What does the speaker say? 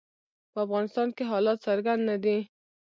په افغانستان کې حالات څرګند نه دي.